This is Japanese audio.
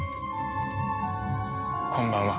こんばんは。